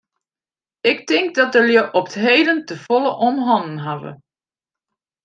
Ik tink dat de lju op 't heden te folle om hannen hawwe.